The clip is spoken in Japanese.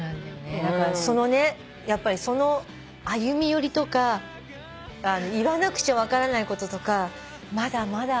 だからその歩み寄りとか言わなくちゃ分からないこととかまだまだあるな。